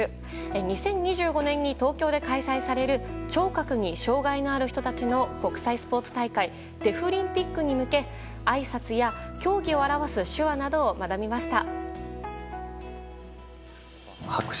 ２０２５年に東京で開催される聴覚に障害のある人たちの国際スポーツ大会デフリンピックに向けあいさつや競技を表す手話などを学びました。